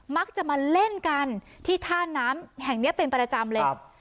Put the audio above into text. มักจะมาเล่นกันที่ท่าน้ำแห่งนี้เป็นประจำเลย